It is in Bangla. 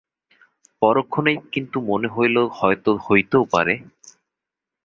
পরীক্ষণেই কিন্তু মনে হইল হয়তো হইতেও পারে।